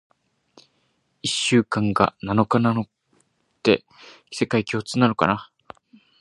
一週間が七日なのって、世界共通なのかな？